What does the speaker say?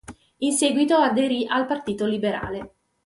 In seguito aderì al Partito Liberale.